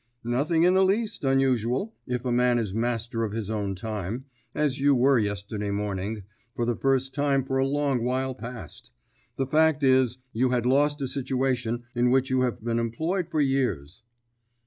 "Nothing in the least unusual if a man is master of his own time, as you were yesterday morning, for the first time for a long while past. The fact is, you had lost a situation in which you have been employed for years."